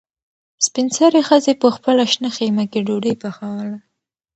سپین سرې ښځې په خپله شنه خیمه کې ډوډۍ پخوله.